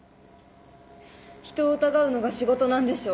人を疑うのが仕事なんでしょ？